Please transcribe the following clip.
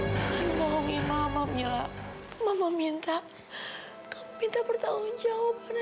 sampai jumpa di video selanjutnya